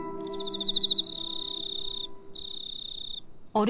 あれ？